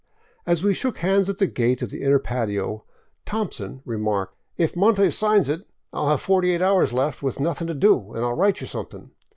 As we shook hands at the gate of the inner patio, *' Thompson " re marked :" If Montes signs it, 1 11 have forty eight hours left with nothing to do and I '11 write you something.